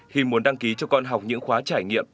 khi muốn đăng ký cho con học những khóa trải nghiệm